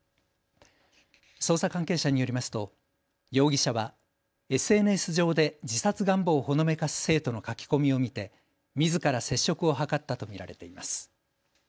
捜査関係者によりますと容疑者はＳＮＳ上で自殺願望をほのめかす生徒の書き込みを見てみずから接触を図ったと見られています。